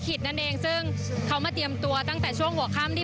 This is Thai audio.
ภาพที่คุณผู้ชมเห็นอยู่นี้นะคะบรรยากาศหน้าเวทีตอนนี้เริ่มมีผู้แทนจำหน่ายไปจับจองพื้นที่